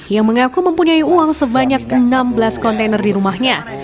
yang mengaku mempunyai uang sebanyak enam belas kontainer di rumahnya